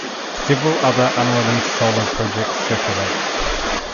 Several other unreleased solo projects circulate.